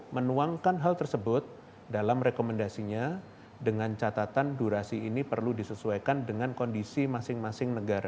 menuangkan hal tersebut dalam rekomendasinya dengan catatan durasi ini perlu disesuaikan dengan kondisi masing masing negara